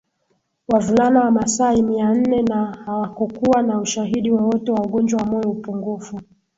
wavulana Wamasai mia nne na hakukuwa na ushahidi wowote wa ugonjwa wa moyo upungufu